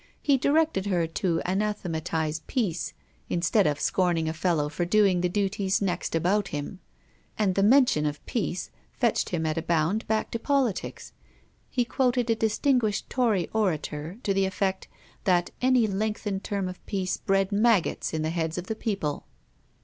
He directed her to anathematize Peace, instead of scorning a fellow for doing the duties next about him: and the mention of Peace fetched him at a bound back to politics. He quoted a distinguished Tory orator, to the effect, that any lengthened term of peace bred maggots in the heads of the people.